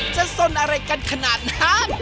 สนอะไรกันขนาดนั้น